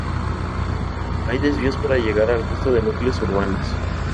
Hay desvíos para llegar al resto de núcleos urbanos.